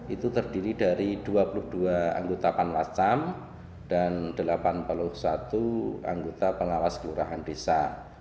itu terdiri dari dua puluh dua anggota panwascam dan delapan puluh satu anggota pengawas kelurahan desa